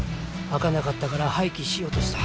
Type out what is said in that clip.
開かなかったから廃棄しようとした。